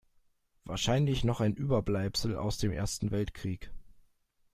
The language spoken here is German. Wahrscheinlich noch ein Überbleibsel aus dem Ersten Weltkrieg.